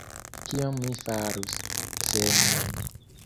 Kion mi farus, se mi…